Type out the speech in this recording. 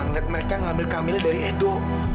nget netnya ngambil kamila dari edo